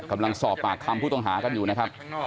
กำลังสอบปากคำผู้ต้องหากันอยู่นะครับ